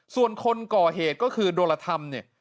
ส่วนคนก่อเหตุก็คือโดรธรรมเนี่ย